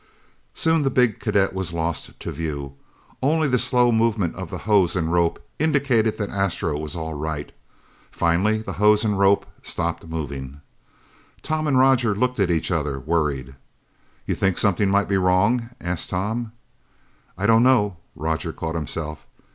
Soon the big cadet was lost to view. Only the slow movement of the hose and rope indicated that Astro was all right. Finally the hose and rope stopped moving. Tom and Roger looked at each other, worried. "You think something might be wrong?" asked Tom. "I don't know " Roger caught himself.